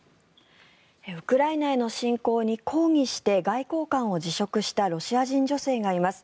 ウクライナへの侵攻に抗議して外交官を辞職したロシア人女性がいます。